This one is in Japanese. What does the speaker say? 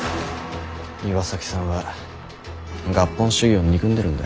岩崎さんは合本主義を憎んでるんだ。